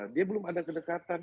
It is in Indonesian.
dia belum ada kedekatan